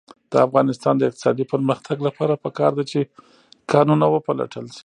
د افغانستان د اقتصادي پرمختګ لپاره پکار ده چې کانونه وپلټل شي.